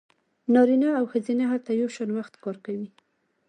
نارینه او ښځینه هلته یو شان وخت کار کوي